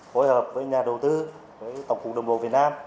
phối hợp với nhà đầu tư với tổng cục đồng bộ việt nam